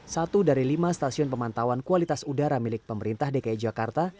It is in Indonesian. satu dari lima stasiun pemantauan kualitas udara milik pemerintah dki jakarta